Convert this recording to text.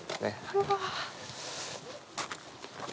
うわ。